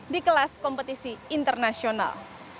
di kelas kompetisi internasional